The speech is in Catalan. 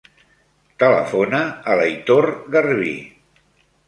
Telefona a l'Aitor Garvi.